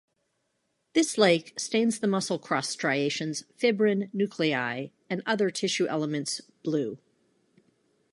This lake stains the muscle cross striations, fibrin, nuclei, and other tissue elements blue.